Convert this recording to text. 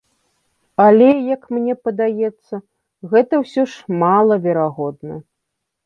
Але, як мне падаецца, гэта ўсё ж мала верагодна.